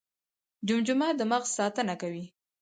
جمجمه د مغز ساتنه کوي